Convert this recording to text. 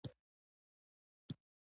نوښتګر په ازاد فکر کولو پیل کوي.